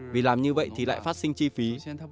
vì làm như vậy thì lại phát sinh chi phí thấp